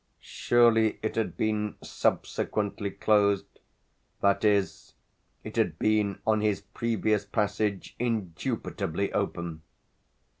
Surely it had been subsequently closed that is it had been on his previous passage indubitably open!